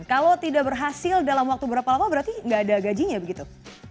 kalau tidak berhasil dalam waktu berapa lama berarti nggak ada gajinya begitu